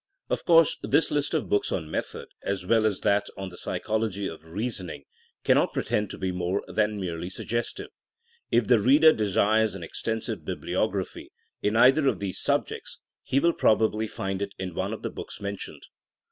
Of course this list of books on method, as well as that on the psychology of reasoning, cannot pretend to be more than merely suggestive. K the reader de sires an extensive bibliography in either of these subjects he will probably find it in one of the books mentioned.